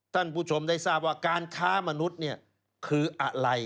ท่านผู้ชมได้ทราบว่าการค้ามนุษย์เนี่ยคืออะไร